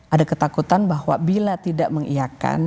ada ketakutan bahwa bila tidak mengiakan